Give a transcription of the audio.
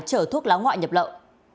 chở thuốc lá ngoại nhập lậu